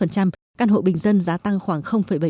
căn hộ bình dân giá tăng khoảng bảy mươi